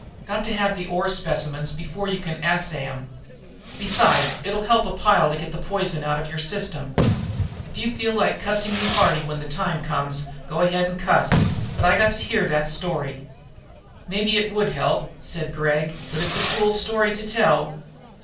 Got to have the ore specimens before you can assay 'em. Besides, it'll help you a pile to get the poison out of your system. If you feel like cussing me hearty when the time comes go ahead and cuss, but I got to hear that story." "Maybe it would help," said Gregg, "but it's a fool story to tell."